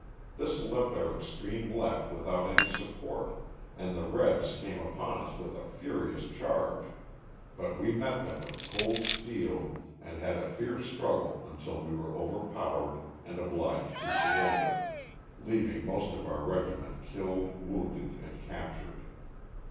This left our extreme left with out any support, and the ^'rebs^ came upon us with a furious charge, but we met them with cold steel and had a fierce struggle until we were overpowered and obliged to surrender, leaving most of our regiment killed wounded and captured.